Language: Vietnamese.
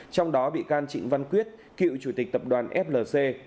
trong đó bị can trịnh văn quyết cựu chủ tịch tập đoàn flc